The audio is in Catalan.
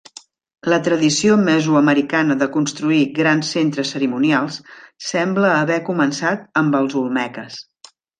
La tradició mesoamericana de construir grans centres cerimonials sembla haver començat amb els olmeques.